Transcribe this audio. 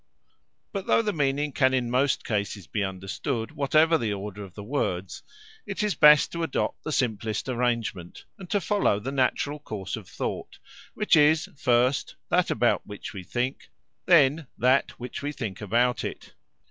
But though the meaning can in most cases be understood whatever the order of the words, it is best to adopt the simplest arrangement, and to follow the natural course of thought, which is, first, that about which we think, then that which we think about it.